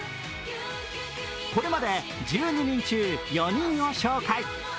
これまで１２人中４人を紹介。